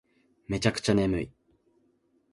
めちゃくちゃ眠い